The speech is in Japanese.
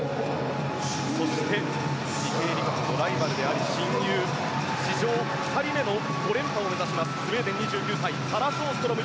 そして池江璃花子のライバルであり親友史上２人目の５連覇を目指しますスウェーデン、２９歳サラ・ショーストロム